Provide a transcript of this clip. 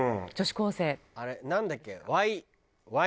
あれなんだっけ？